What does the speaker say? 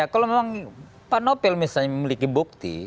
kalau memang pak novel misalnya memiliki bukti